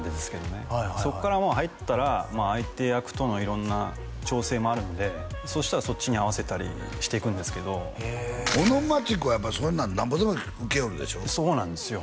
はいはいはいそっからもう入ったら相手役との色んな調整もあるのでそうしたらそっちに合わせたりしていくんですけど尾野真千子やっぱそういうなのなんぼでも受けよるでしょそうなんですよ